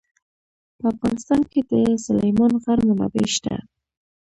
په افغانستان کې د سلیمان غر منابع شته.